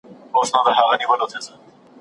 سیاسي بندیان عادلانه محکمې ته اسانه لاسرسی نه لري.